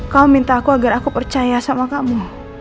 kau minta aku agar aku percaya sama kamu